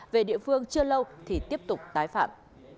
về địa phương chưa lâu thì tiếp tục tái phạm